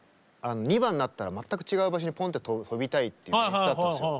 ２番になったら全く違う場所にポンって飛びたいっていう演出だったんですよ。